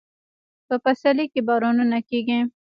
په پسرلي کې بارانونه کیږي